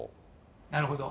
なるほど。